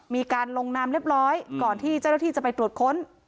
มีการลงนามเรียบร้อยก่อนที่เจ้าหน้าที่จะไปตรวจค้น